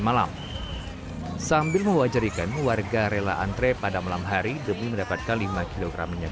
malam sambil mewajarikan warga rela antre pada malam hari demi mendapatkan lima kg minyak